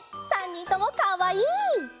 ３にんともかわいい。